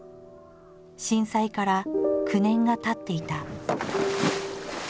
震災から９年がたっていた。